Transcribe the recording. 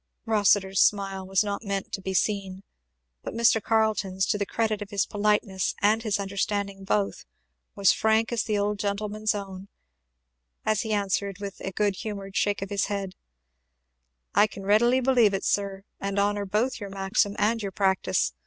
Rossitur's smile was not meant to be seen. But Mr. Carleton's, to the credit of his politeness and his understanding both, was frank as the old gentleman's own, as he answered with a good humoured shake of his head, "I can readily believe it, sir, and honour both your maxim and your practice.